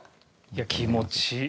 いや気持ちいい。